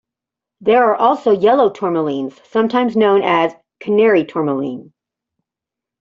There are also yellow tourmalines, sometimes known as canary tourmaline.